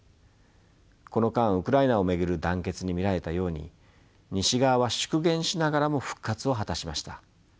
この間ウクライナを巡る団結に見られたように西側は縮減しながらも復活を果たしました。